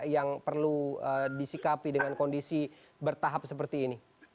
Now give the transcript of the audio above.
yang perlu disikapi dengan kondisi bertahap seperti ini